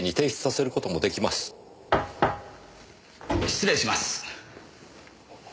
失礼します。